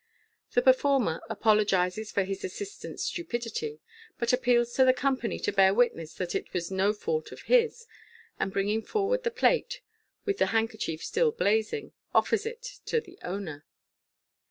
The performer apologizes for his assistant's stupidity, but appeals to the company to bear witness that it was no fault of his, and bringing forward the plate, with the handkerchief still blazing, offers it to the owner.